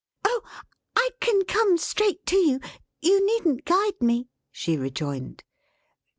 "Oh! I can come straight to you! You needn't guide me!" she rejoined.